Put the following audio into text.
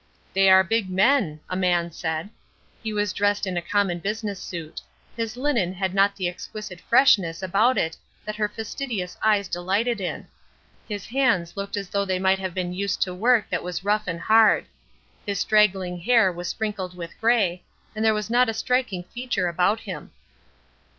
"They are big men," a man said. He was dressed in a common business suit; his linen had not the exquisite freshness about it that her fastidious eyes delighted in; his hands looked as though they might have been used to work that was rough and hard; his straggling hair was sprinkled with gray, and there was not a striking feature about him.